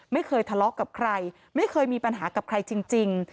ไม่เคยทะเลาะกับใครไม่เคยมีปัญหากับใครจริง